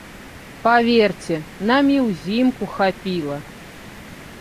Паверце, нам і ўзімку хапіла.